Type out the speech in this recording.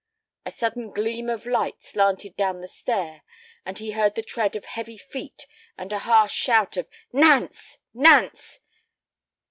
A sudden gleam of light slanted down the stair, and he heard the tread of heavy feet and a harsh shout of "Nance! Nance!"